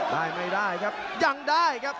รักร้อนละของมันครับ